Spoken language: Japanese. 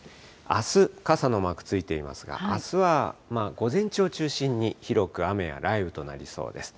あす、傘のマークついてますが、あすは午前中を中心に広く雨や雷雨となりそうです。